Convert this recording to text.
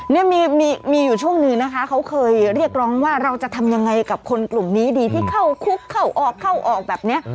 นี่มีอยู่ช่วงหนึ่งนะคะเขาเคยเรียกร้องว่าเราจะทำยังไงกับคนกลุ่มนี้ดีที่เข้าคุกเข้าออกเข้าออกแบบนี้